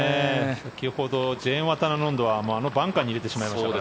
先ほどジェーンワタナノンドはあのバンカーに入れてしまいましたからね。